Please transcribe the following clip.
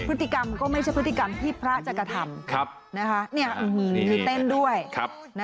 พฤติกรรมก็ไม่ใช่พฤติกรรมที่พระจะกระทำ